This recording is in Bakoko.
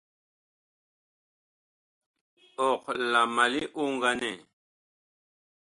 Ɔg la ma li oŋganɛ?